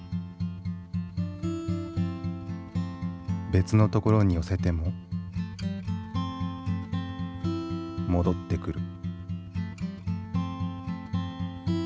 別の所に寄せても戻ってくる。